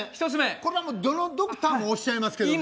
これはどのドクターもおっしゃいますけどね